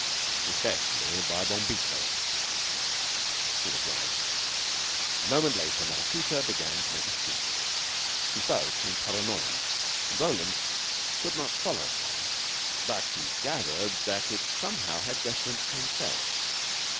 Especially by Bombito. He was right. A moment later Maraquita began to make a speech. She spoke in Paranoyan, and Roland could not follow her, but he gathered that it somehow had reference to himself.